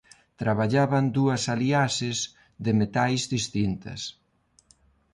Traballaban dúas aliaxes de metais distintas.